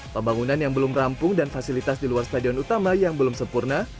pembangunan yang belum rampung dan fasilitas di luar stadion utama yang belum sempurna